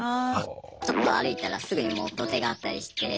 ちょっと歩いたらすぐにもう土手があったりして。